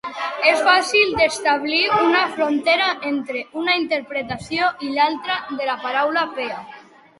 És fàcil d'establir una frontera entre una interpretació i l'altra de la paraula Peà?